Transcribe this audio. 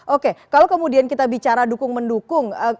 oke kalau kemudian kita bicara dukung mendukung